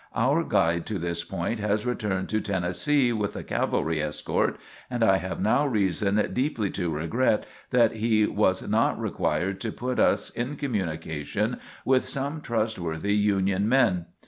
Our guide to this point has returned to Tennessee with the cavalry escort, and I have now reason deeply to regret that he was not required to put us in communication with some trustworthy Union men.